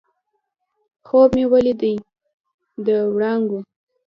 خوب مې ولیدی د وړانګو